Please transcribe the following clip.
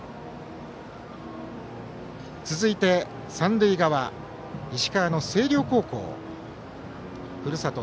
続いて、三塁側石川の星稜高校ふるさと